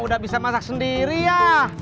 udah bisa masak sendiri ya